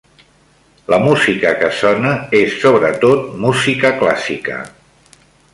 La música que sona és sobretot música clàssica.